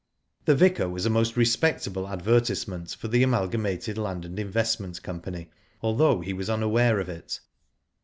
The vicar was a most respectable advertisement for the Amalgamated Land and Investment Com pany, although he was unaware of it.